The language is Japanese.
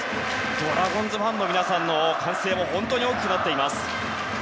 ドラゴンズファンの皆さんの歓声大きくなっています。